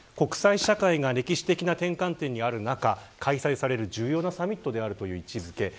国際社会が歴史的な転換点にある中開催される重要なサミットであるという位置付け。